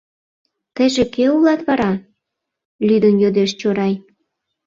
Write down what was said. Тыйже кӧ улат вара? — лӱдын йодеш Чорай.